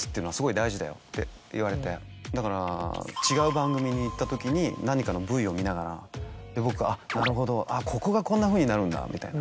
だから違う番組に行ったときに何かのＶＴＲを見ながら僕「なるほどここがこんなふうになるんだ」みたいな。